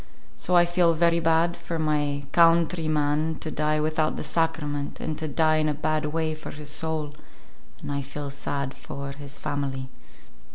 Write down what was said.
So I feel very bad for my kawntree man to die without the Sacrament, and to die in a bad way for his soul, and I feel sad for his family."